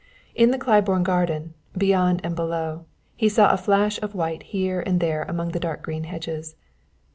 In the Claiborne garden, beyond and below, he saw a flash of white here and there among the dark green hedges.